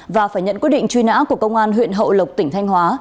và phải nhận quyết định truy nã của công an huyện hậu lộc tỉnh thanh hóa